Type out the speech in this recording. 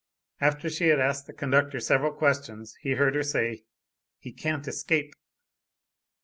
After she had asked the conductor several questions, he heard her say, "He can't escape."